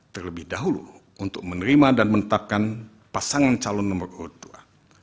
terlebih dahulu untuk menerima dan menetapkan pasangan calon nomor urut dua